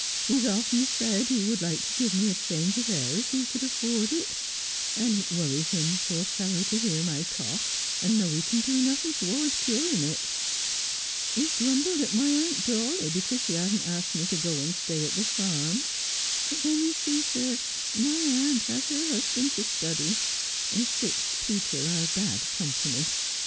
He has often said he would like to give me a change of air if he could afford it, and it worries him, poor fellow, to hear my cough, and to know he can do nothing towards curing it. He has grumbled at my aunt Dawley because she hasn't asked me to go and stay at the farm ; but then you see, sir, my aunt has her husband to study, and sick people are bad company.